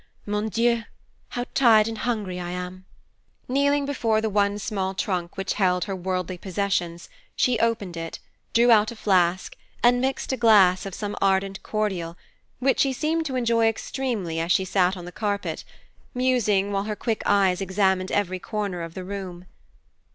Mon dieu, how tired and hungry I am!" Kneeling before the one small trunk which held her worldly possessions, she opened it, drew out a flask, and mixed a glass of some ardent cordial, which she seemed to enjoy extremely as she sat on the carpet, musing, while her quick eyes examined every corner of the room.